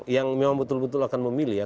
yang memang betul betul akan memilih ya